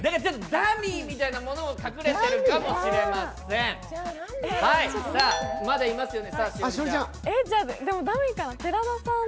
ダミーみたいなものも隠れてるかもしれません。